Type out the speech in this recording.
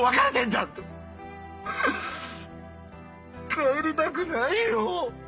帰りたくないよ！